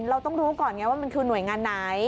เราต้องรู้ก่อนไงว่ามันคือหน่วยงานไหน